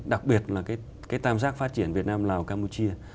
đặc biệt là cái tam giác phát triển việt nam lào campuchia